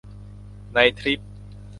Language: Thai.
ในทริป